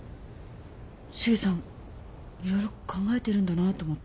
シゲさんいろいろ考えてるんだなあと思って。